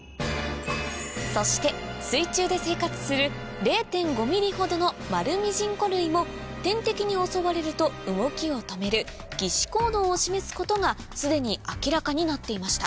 そして水中で生活する０．５ミリほどのマルミジンコ類も天敵に襲われると動きを止める擬死行動を示すことが既に明らかになっていました